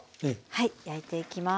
はい焼いていきます。